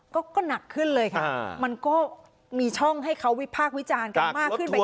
ก็หนักขึ้นเลยค่ะมันก็มีช่องให้เขาวิพากษ์วิจารณ์กันมากขึ้นไป